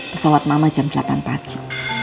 pesawat mama jam delapan pagi